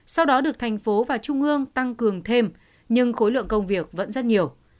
sau đó được thành phố và trung ương tăng cường thêm nhưng khối lượng công việc vẫn rất nhiều